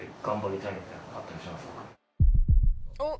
「おっ！